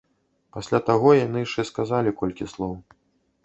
Пасля таго яны яшчэ сказалі колькі слоў.